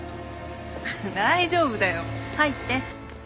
大丈夫だよ入って。